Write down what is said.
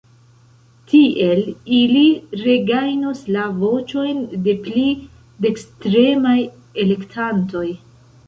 Tiel ili regajnos la voĉojn de pli dekstremaj elektantoj.